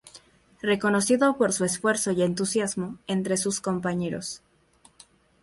Reconocido por su esfuerzo y entusiasmo entre sus compañeros.